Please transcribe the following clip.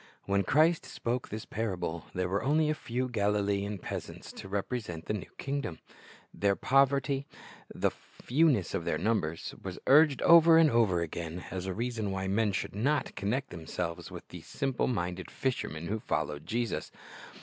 When Christ spoke this parable, there were only a few Galilean peasants to represent the new kingdom. Their poverty, the ijohn I ; 29 78 Christ's Object Lessons fewness of their numbers, was urged over and over again as a reason why men should not connect themselves with these simple minded fishermen who followed Jesus.